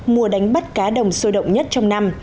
mùa đánh bắt cá đồng sôi động nhất trong năm